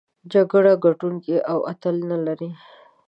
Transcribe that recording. جګړه ګټوونکی او اتل نلري.